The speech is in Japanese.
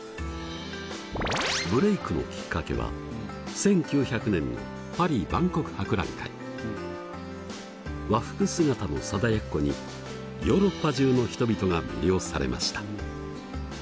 ブレークのきっかけは和服姿の貞奴にヨーロッパ中の人々が魅了されました。